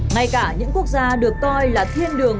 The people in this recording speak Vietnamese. ngay cả những quốc gia được coi là thiên đường